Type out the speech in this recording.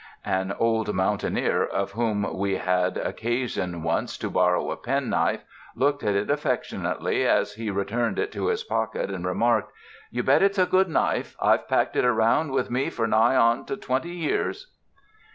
An old mountaineer of whom we had occasion 257 UNDER THE SKY IN CALIFORNIA once to borrow a penknife, looked at it affectionately as he returned it to Ms pocket, and remarked, "You bet it's a good knife; I've packed it around with me for nigh on to twenty years."